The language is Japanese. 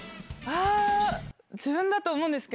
ああ、自分だと思うんですけ